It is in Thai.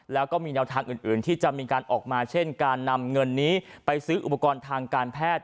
แล้วก็มีแนวทางอื่นที่จะมีการออกมาเช่นการนำเงินนี้ไปซื้ออุปกรณ์ทางการแพทย์